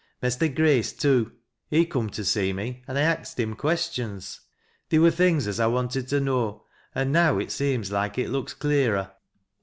Mester Grace too, — he coom to see me an' I axt him questions. Theer wur things as I wanted to know, an' now it seems loike it looks clearer.